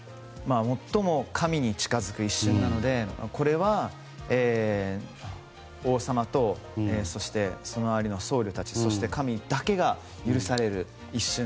最も神に近づく一瞬なのでこれは王様とそして、その周りの僧侶たちそして神だけに許される一瞬。